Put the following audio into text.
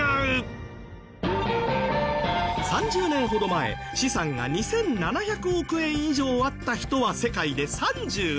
３０年ほど前資産が２７００億円以上あった人は世界で３６人。